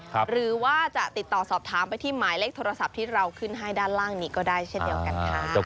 หรือว่าจะติดต่อสอบถามไปที่หมายเลขโทรศัพท์ที่เราขึ้นให้ด้านล่างนี้ก็ได้เช่นเดียวกันค่ะ